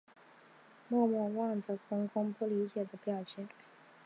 默默望着公公不理解的表情